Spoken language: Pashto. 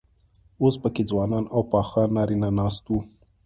اوس پکې ځوانان او پاخه نارينه ناست وو.